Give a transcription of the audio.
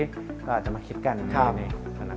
เราอาจจะมาคิดกันในธนักงาน